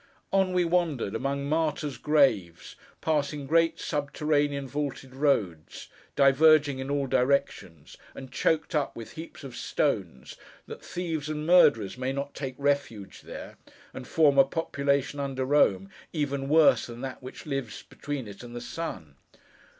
On we wandered, among martyrs' graves: passing great subterranean vaulted roads, diverging in all directions, and choked up with heaps of stones, that thieves and murderers may not take refuge there, and form a population under Rome, even worse than that which lives between it and the sun.